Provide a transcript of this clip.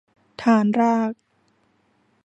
ฐานราก